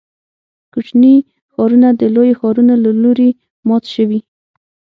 کوچني ښارونه د لویو ښارونو له لوري مات شوي.